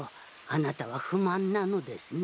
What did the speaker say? あなたは不満なのですね。